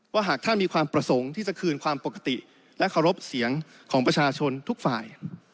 หากท่านมีความประสงค์ที่จะคืนความปกติและเคารพเสียงของประชาชนทุกฝ่าย